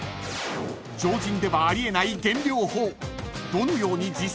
［常人ではあり得ない減量法］